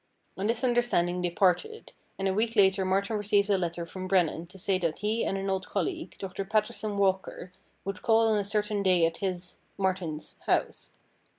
On this understanding they parted, and a week later Martin received a letter from Brennan to say that he and an old colleague, Doctor Paterson Walker, would call on a certain day at his, Martin's, house.